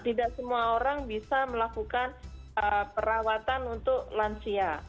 tidak semua orang bisa melakukan perawatan untuk lansia